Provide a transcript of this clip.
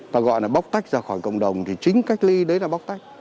ta gọi là bóc tách ra khỏi cộng đồng thì chính cách ly đấy là bóc tách